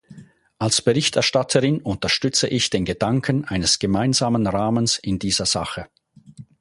Als Berichterstatterin unterstütze ich den Gedanken eines gemeinsamen Rahmens in dieser Sache.